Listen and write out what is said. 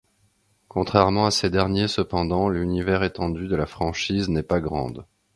Contrairement à ces dernier cependant, l'Univers étendu de la franchise n'est pas grande.